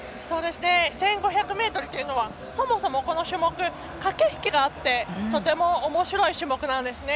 １５００ｍというのはそもそも、この種目駆け引きがあってとてもおもしろい種目なんですね。